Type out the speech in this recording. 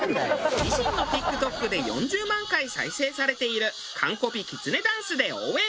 自身のＴｉｋＴｏｋで４０万回再生されている完コピきつねダンスで応援。